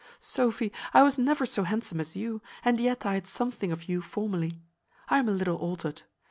Sophy, I was never so handsome as you, and yet I had something of you formerly. I am a little altered.